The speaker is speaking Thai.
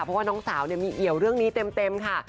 เพราะว่าน้องสาวมีเอี่ยวเรื่องนี้เต็มค่ะ